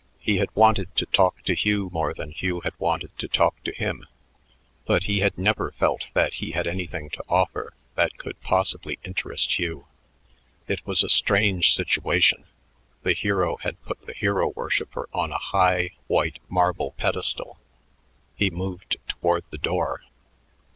He had wanted to talk to Hugh more than Hugh had wanted to talk to him, but he had never felt that he had anything to offer that could possibly interest Hugh. It was a strange situation; the hero had put the hero worshiper on a high, white marble pedestal. He moved toward the door.